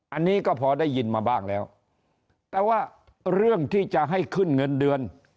อันนี้ก็พอได้ยินมาบ้างแล้วแต่ว่าเรื่องที่จะให้ขึ้นเงินเดือน